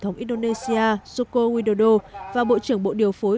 ngô nguyên đồ đô và bộ trưởng bộ điều phối